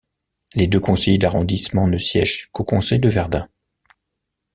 Les deux conseillers d'arrondissement ne siègent qu'au conseil de Verdun.